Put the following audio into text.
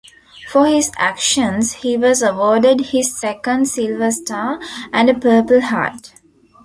For his actions he was awarded his second Silver Star and a Purple Heart.